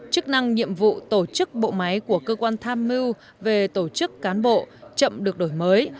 chức năng nhiệm vụ tổ chức bộ máy của cơ quan tham mưu về tổ chức cán bộ chậm được đổi mới